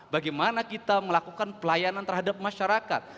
bagaimana kita melakukan pelayanan terhadap masyarakat